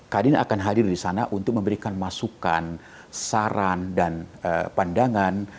kadin akan hadir di sana untuk memberikan masukan saran dan pandangan